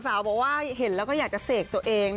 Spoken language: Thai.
สาวบอกว่าเห็นแล้วก็อยากจะเสกตัวเอง